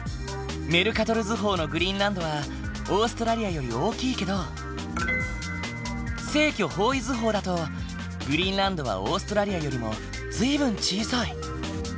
メルカトル図法のグリーンランドはオーストラリアより大きいけど正距方位図法だとグリーンランドはオーストラリアよりも随分小さい。